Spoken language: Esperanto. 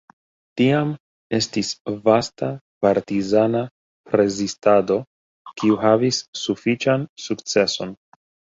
Tiam estis vasta partizana rezistado, kiu havis sufiĉan sukceson.